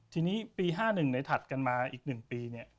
ทีนี้ปี๕๑ไหนถัดกันมาอีก๑ปีเนี่ย